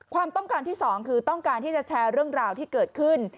ความต้องการที่สองคือต้องการที่จะแชร์เรื่องราวที่เกิดขึ้น